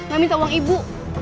gak minta uang ibu